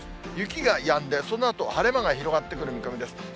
雪がやんで、そのあと晴れ間が広がってくる見込みです。